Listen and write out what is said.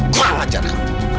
kurang ajar kamu